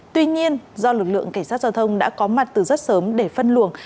tuy nhiên do lực lượng cảnh sát giao thông đã có mặt từ rất sớm để phân luồng